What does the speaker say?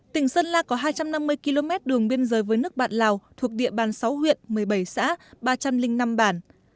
tỉnh sơn la có hai trăm năm mươi km đường biên giới với nước bạn lào thuộc địa bàn sáu huyện một mươi bảy xã ba trăm linh năm bản